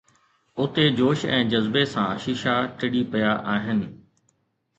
اُتي جوش ۽ جذبي سان شيشا ٽڙي پيا آهن